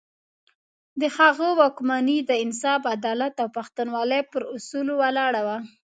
د هغه واکمني د انصاف، عدالت او پښتونولي پر اصولو ولاړه وه.